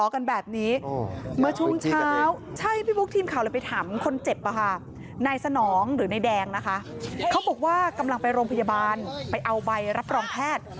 เขาบอกว่ากำลังไปโรงพยาบาลไปเอาใบรับรองแพทย์